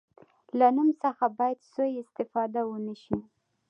له نوم څخه باید سوء استفاده ونه شي.